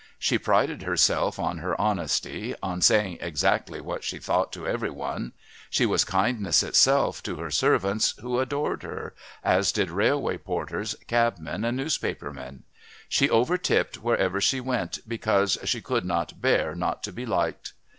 She prided herself on her honesty, on saying exactly what she thought to every one. She was kindness itself to her servants, who adored her, as did railway porters, cabmen and newspaper men. She overtipped wherever she went because "she could not bear not to be liked."